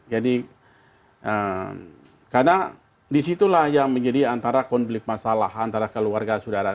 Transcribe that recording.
jadi karena disitulah yang menjadi antara konflik masalah antara keluarga saudara